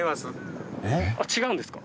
違うんですか？